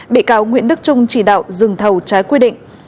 bị cáo nguyễn đức trung chỉ đạo dừng thầu trái quy định